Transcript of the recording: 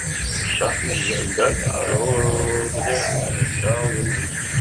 Shangdang also contained the Zhao capital Handan.